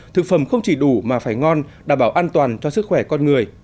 thực phẩm không chỉ đủ mà phải ngon đảm bảo an toàn cho sức khỏe con người